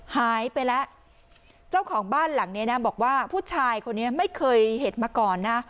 หายไปแล้วเจ้าของบ้านหลังนี้นะบอกว่าผู้ชายคนนี้ไม่เคยเห็นมาก่อนนะ